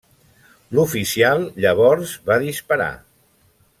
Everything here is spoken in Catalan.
L'oficial, llavors, va disparar.